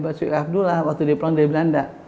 basuki abdullah waktu dia pulang dari belanda